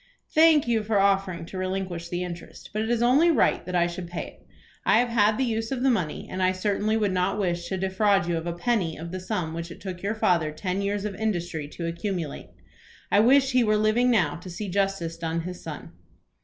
"Thank you for offering to relinquish the interest; but it is only right that I should pay it. I have had the use of the money, and I certainly would not wish to defraud you of a penny of the sum which it took your father ten years of industry to accumulate. I wish he were living now to see justice done his son."